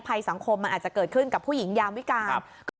สังคมมันอาจจะเกิดขึ้นกับผู้หญิงยามวิการคือ